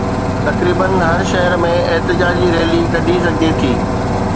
تقريبن هر شهر ۾ احتجاجي ريلي ڪڍي سگهجي ٿي